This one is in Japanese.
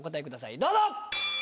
どうぞ！